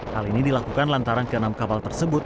hal ini dilakukan lantaran ke enam kapal tersebut